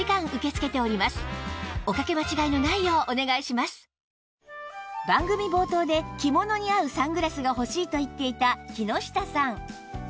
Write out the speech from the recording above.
また番組冒頭で着物に合うサングラスが欲しいと言っていた木下さん